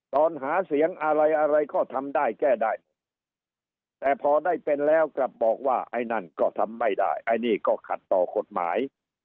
ตอนหาเสียงอะไรอะไรก็ทำได้แก้ได้แต่พอได้เป็นแล้วกลับบอกว่าไอ้นั่นก็ทำไม่ได้ไอ้นี่ก็ขัดต่อกฎหมาย